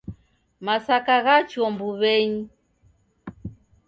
Masaka ghachua mbuw'enyi.